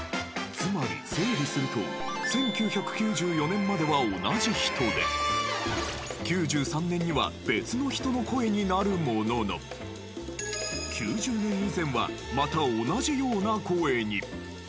つまり整理すると１９９４年までは同じ人で９３年には別の人の声になるものの９０年以前はまた同じような声に。